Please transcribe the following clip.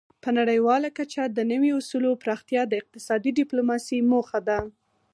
په نړیواله کچه د نوي اصولو پراختیا د اقتصادي ډیپلوماسي موخه ده